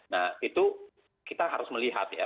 nah itu kita harus melihat ya